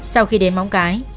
sau khi đến bóng cái